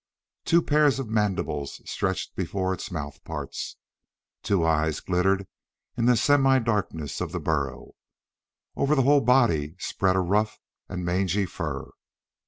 Two pairs of mandibles stretched before its mouth parts; two eyes glittered in the semi darkness of the burrow. Over the whole body spread a rough and mangy fur.